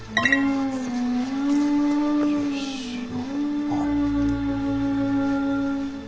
よいしょ。